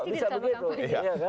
bisa di sini selama kampanye